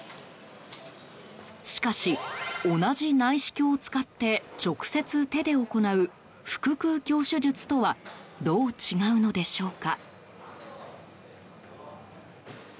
しかし同じ内視鏡を使って直接、手で行う腹腔鏡手術とはどう違うのでしょうか？